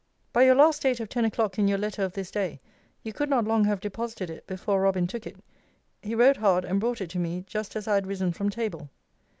By your last date of ten o'clock in your letter of this day, you could not long have deposited it before Robin took it. He rode hard, and brought it to be just as I had risen from table.